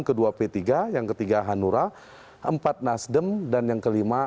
kedua p tiga yang ketiga hanura empat nasdem dan yang kelima